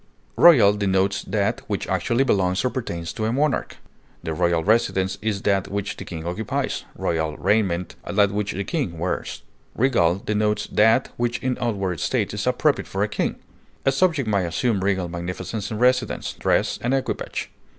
Royal denotes that which actually belongs or pertains to a monarch; the royal residence is that which the king occupies, royal raiment that which the king wears. Regal denotes that which in outward state is appropriate for a king; a subject may assume regal magnificence in residence, dress, and equipage.